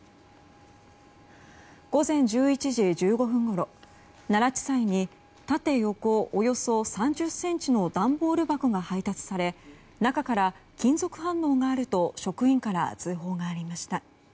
午前１１時１５分ごろ奈良地裁に縦横およそ３０ｃｍの段ボール箱が配達され中から金属反応があると職員から通報がありました。